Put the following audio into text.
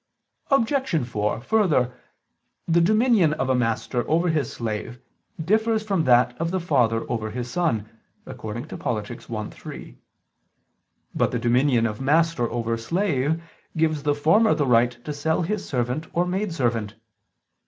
Obj. 4: Further, the dominion of a master over his slave differs from that of the father over his son (Polit. i, 3). But the dominion of master over slave gives the former the right to sell his servant or maidservant.